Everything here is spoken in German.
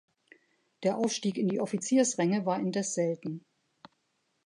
Der Aufstieg in die Offiziersränge war indes selten.